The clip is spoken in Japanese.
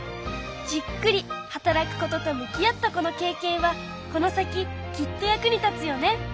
じっくり働くことと向き合ったこの経験はこの先きっと役に立つよね。